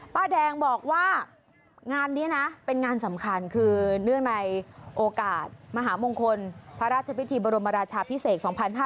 ป้าแดงบอกว่างานนี้นะเป็นงานสำคัญคือเนื่องในโอกาสมหามงคลพระราชพิธีบรมราชาพิเศษ๒๕๕๙